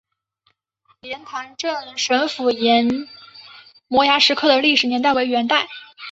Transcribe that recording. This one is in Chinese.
莲塘镇神符岩摩崖石刻的历史年代为元代。